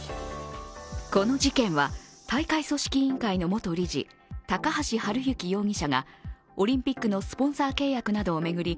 この事件は大会組織委員会の元理事、高橋治之容疑者がオリンピックのスポンサー契約などを巡り